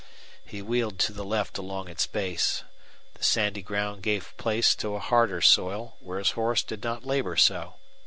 He wheeled to the left along its base. The sandy ground gave place to a harder soil, where his horse did not labor so.